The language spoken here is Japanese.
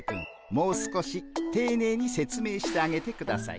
もう少していねいに説明してあげてください。